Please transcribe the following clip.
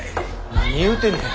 何言うてんねん。